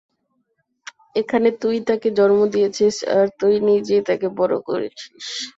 এখানে তুই তাকে জন্ম দিয়েছিস আর তুই নিজেই তাকে বড় করেছিস।